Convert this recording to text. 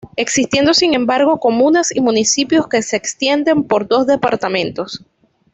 Existiendo sin embargo comunas y municipios que se extienden por dos departamentos.